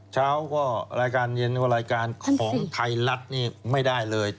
เช้าก็รายการเย็นรายการของไทยรัฐนี่ไม่ได้เลย